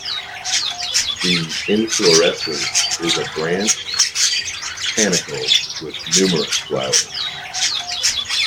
The inflorescence is a branched panicle with numerous flowers.